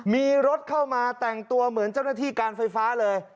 มีรถเข้ามาแต่งตัวเหมือนเจ้าหน้าที่การไฟฟ้าเลย